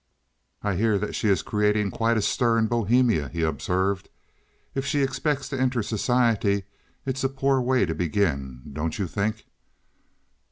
"I hear that she is creating quite a stir in Bohemia," he observed. "If she expects to enter society it's a poor way to begin, don't you think?"